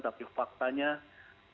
tapi faktanya banyak sekali